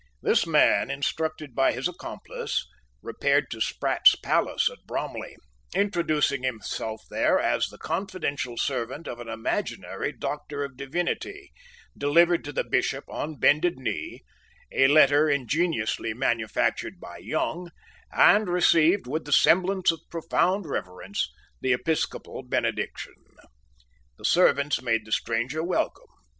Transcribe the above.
This man, instructed by his accomplice, repaired to Sprat's palace at Bromley, introduced himself there as the confidential servant of an imaginary Doctor of Divinity, delivered to the Bishop, on bended knee, a letter ingeniously manufactured by Young, and received, with the semblance of profound reverence, the episcopal benediction. The servants made the stranger welcome.